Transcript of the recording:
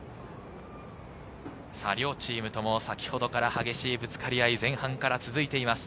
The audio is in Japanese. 両チームとも先ほどから激しいぶつかり合い、前半から続いています。